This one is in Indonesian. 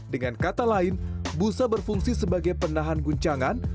dengan kata lain busa berfungsi sebagai penahan guncangan